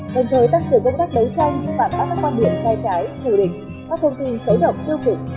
đồng thời tăng cường công tác đấu tranh phát phát các quan điểm sai trái thủ định các thông tin xấu động tiêu cực